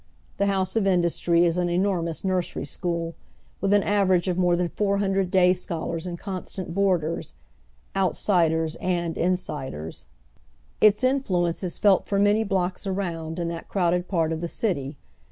The House of Industry is an enormous nursery school with an average of more than four hundred day scholars and constant boarders — "outsiders " and " insiders." Its iiiflnence is felt for many blocks around in that crowded part of the city.